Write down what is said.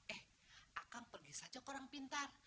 eh akan pergi saja ke orang pintar